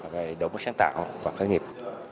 về đổi mới sáng tạo và khởi nghiệp